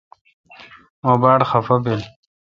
مہ باڑ خفہ بیل۔